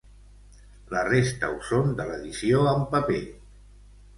La resta ho són de l’edició en paper.